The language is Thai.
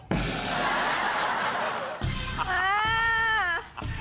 อั้แห่ง